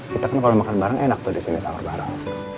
kita kan kalo makan bareng enak tuh disini sahur bareng